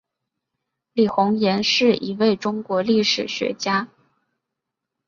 李洪岩是一位中国历史学家。